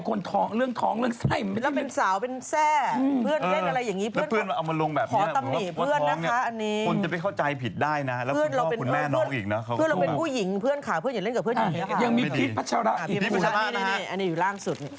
คือนี่นางก็บอกว่าเพื่อนเนี่ยแกล้ง